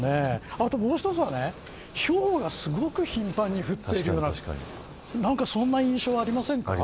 あともう一つはひょうがすごく頻繁に降っているようなそんな印象ありませんか。